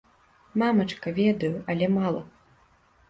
Мамачка, ведаю, але мала.